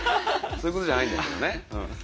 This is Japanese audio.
そういうことじゃないんだけどね。